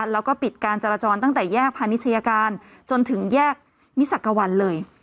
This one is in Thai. แล้วก็ปิดการจราจรตั้งแต่แยกพาณิชยาการจนถึงแยกมิสักวันเลย